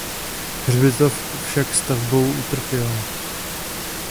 Hřbitov však stavbou utrpěl.